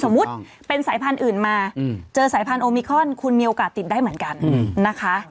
เป็นสายพันธุ์อื่นมาเจอสายพันธุมิคอนคุณมีโอกาสติดได้เหมือนกันนะคะ